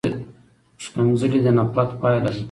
ښکنځلې د نفرت پایله ده.